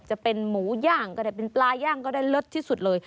จะเป็นหมูย่างก็ได้เป็นปลาย่างก็ได้เลิศที่สุดเลย